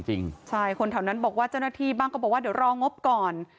จริงใช่คนแถวนั้นบอกว่าเจ้าหน้าที่บ้างก็บอกว่าเดี๋ยวรองบก่อน